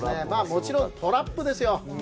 もちろんトラップですよ。